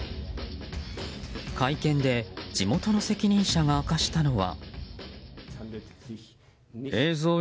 会見で地元の責任者が明かしたのは。